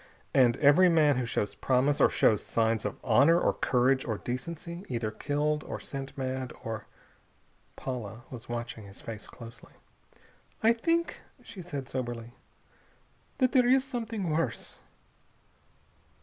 And every man who shows promise, or shows signs of honor or courage or decency, either killed or sent mad or...." Paula was watching his face closely. "I think," she said soberly, "that there is something worse."